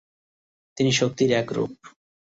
তিনি শক্তির এক রূপ।